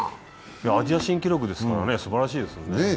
アジア新記録ですからすばらしいですよね。